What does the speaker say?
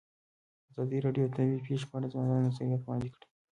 ازادي راډیو د طبیعي پېښې په اړه د ځوانانو نظریات وړاندې کړي.